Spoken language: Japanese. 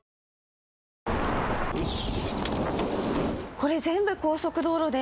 これ全部高速道路で。